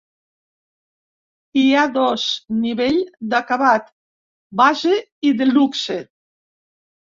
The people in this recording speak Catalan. Hi ha dos nivell d'acabat: Base i Deluxe.